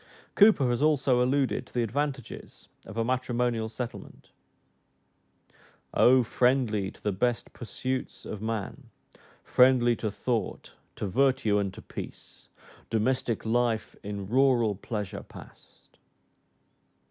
Cowper has also alluded to the advantages of a matrimonial settlement, "O friendly to the best pursuits of man, Friendly to thought, to virtue, and to peace, Domestic life in rural pleasure pass'd."